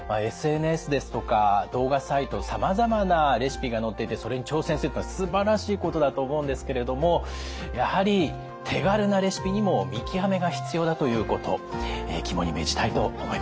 ＳＮＳですとか動画サイトさまざまなレシピが載っていてそれに挑戦するのはすばらしいことだと思うんですけれどもやはり手軽なレシピにも見極めが必要だということ肝に銘じたいと思います。